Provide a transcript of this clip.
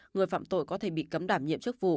người phạm tội có thể bị cấm đảm nhiệm chức vụ